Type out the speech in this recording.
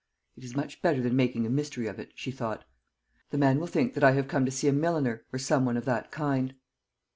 "It is much better than making a mystery of it," she thought. "The man will think that I have come to see a milliner or some one of that kind."